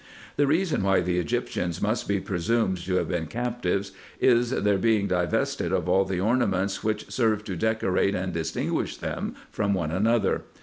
The reason why the Egyptians must be presumed to have been captives is, their being divested of all the ornaments, which served to decorate and distinguish them from one another.